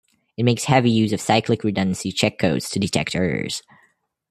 It makes heavy use of cyclic redundancy check codes to detect errors.